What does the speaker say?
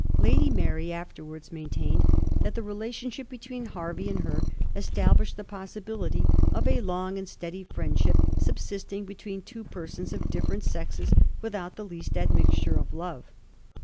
Lady Mary afterwards maintained that the relationship between Hervey and her established the possibility of ' a long and steady friendship subsisting between two persons of different sexes without the least admixture of love.'